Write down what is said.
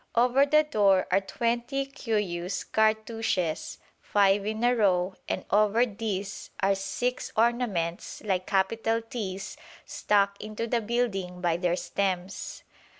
Over the door are twenty curious cartouches, five in a row, and over these are six ornaments like capital T's stuck into the building by their stems.